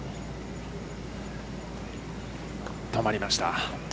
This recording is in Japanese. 止まりました。